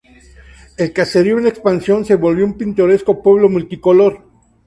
El caserío en expansión se volvió un pintoresco pueblo multicolor.